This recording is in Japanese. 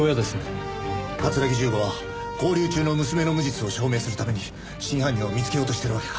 桂木重吾は拘留中の娘の無実を証明するために真犯人を見つけようとしているわけか。